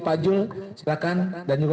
pak jules silahkan dan juga